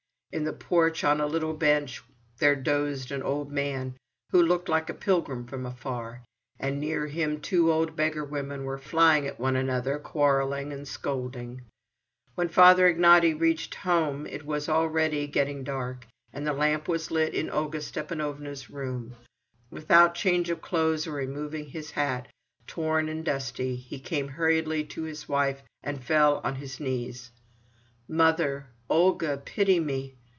In the porch on a little bench there dozed an old man who looked like a pilgrim from afar, and near him two old beggar women were flying at one another, quarrelling and scolding. When Father Ignaty reached home, it was already getting dark, and the lamp was lit in Olga Stepanovna's room. Without change of clothes or removing his hat, torn and dusty, he came hurriedly to his wife and fell on his knees. "Mother—Olga—pity me!"